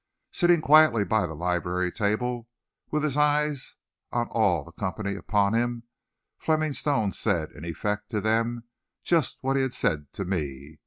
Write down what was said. Sitting quietly by the library table, with the eyes of all the company upon him, Fleming Stone said, in effect, to them just what he had said to me.